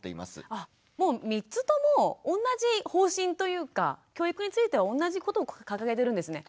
もう３つとも同じ方針というか教育については同じことを掲げてるんですね。